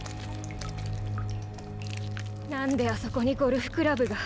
なんであそこにゴルフクラブが？